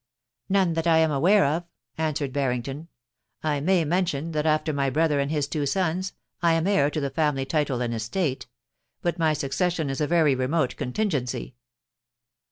* None that I am aware of,' answered Barrington. ' I may mention that after my brother and his two sons, I am heir to the family title and estate ; but my succession is a very remote contingency.